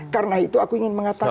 karena itu aku ingin mengatakan